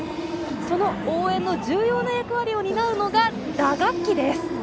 その応援の重要な役割を担うのが打楽器です。